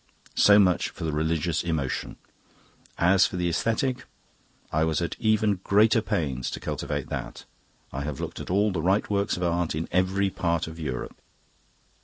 "So much for the religious emotion. As for the aesthetic I was at even greater pains to cultivate that. I have looked at all the right works of art in every part of Europe.